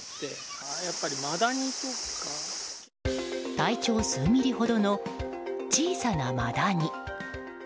体長数ミリほどの小さなマダニ。